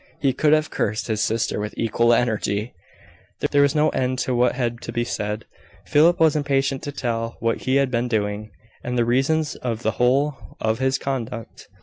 He could have cursed his sister with equal energy. There was no end to what had to be said. Philip was impatient to tell what he had been doing, and the reasons of the whole of his conduct.